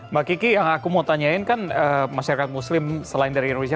mbak kiki yang aku mau tanyain kan masyarakat muslim selain dari indonesia